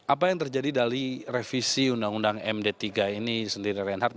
apa yang terjadi dari revisi undang undang md tiga ini sendiri reinhard